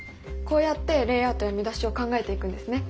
こうやってレイアウトや見出しを考えていくんですね。